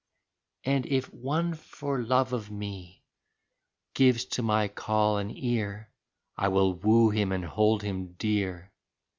And if one for love of me Gives to my call an ear, I will woo him and hold him dear.